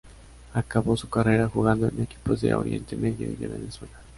Acabó su carrera jugando en equipos de Oriente Medio y de Venezuela.